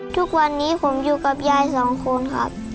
ทุกวันนี้ผมอยู่กับยายสองคนครับ